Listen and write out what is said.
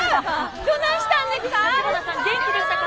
どないしたんでっか？